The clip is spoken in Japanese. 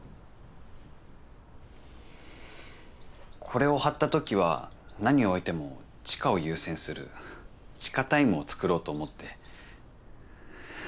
これをはったときは何を置いても知花を優先する知花タイムをつくろうと思って。